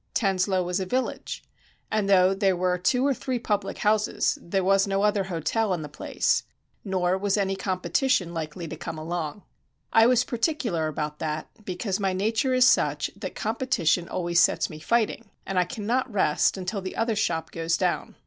Tanslowe was a village, and though there were two or three public houses, there was no other hotel in the place, nor was any competition likely to come along. I was particular about that, because my nature is such that competition always sets me fighting, and I cannot rest until the other shop goes down.